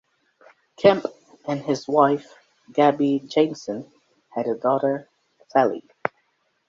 Kemp and his wife, Gaby Jamieson, have a daughter, Thalie.